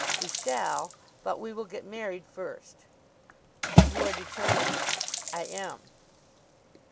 "We shall but we will get married first." "You are determined?" "I am!"